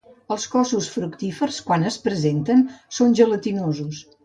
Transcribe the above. Els cossos fructífers, quan es presenten, són gelatinosos.